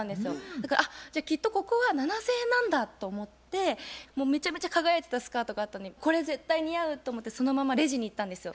だからあっじゃあきっとここは７，０００円なんだと思ってもうめちゃめちゃ輝いてたスカートがあったのでこれ絶対似合うと思ってそのままレジに行ったんですよ。